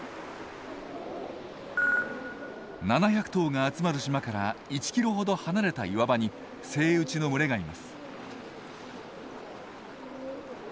７００頭が集まる島から１キロほど離れた岩場にセイウチの群れがいます。